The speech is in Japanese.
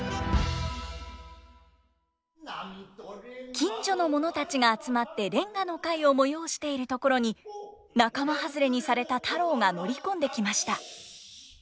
近所の者たちが集まって連歌の会を催しているところに仲間外れにされた太郎が乗り込んできました。